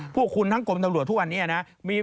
พวกคุณทั้งกรมตำรวจทุกวันนี้นะ